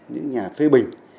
những nhà phê bình